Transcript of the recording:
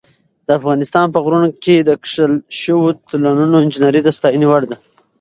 د افغانستان په غرونو کې د کښل شویو تونلونو انجینري د ستاینې وړ ده.